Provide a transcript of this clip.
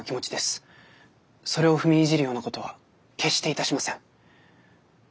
それを踏みにじるようなことは決していたしません。